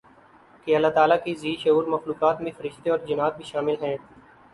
کہ اللہ تعالیٰ کی ذی شعور مخلوقات میں فرشتے اورجنات بھی شامل ہیں